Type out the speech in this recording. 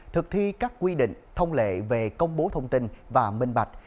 thực thi các quy định thông lệ về công bố thông tin và minh bạch